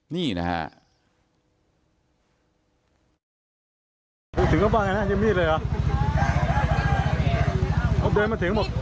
นี่นะฮะ